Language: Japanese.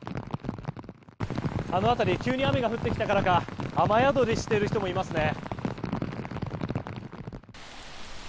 あの辺り急に雨が降ってきたからか雨宿りしている人もいますね。